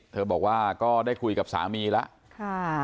บอกว่าก็ได้คุยกับสามีแล้ว